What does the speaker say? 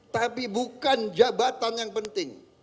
tapi bukan jabatan yang penting